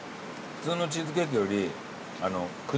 普通のチーズケーキよりくどくない。